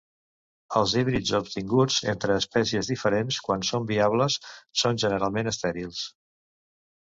Els híbrids obtinguts entre espècies diferents, quan són viables, són generalment estèrils.